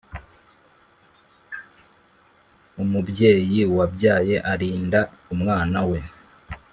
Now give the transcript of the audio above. umubyeyi wabyaye arinda umwana we,